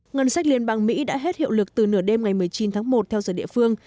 ngân sách liên bang mỹ đã hết hiệu lực từ nửa đêm ngày một mươi chín tháng một theo giờ địa phương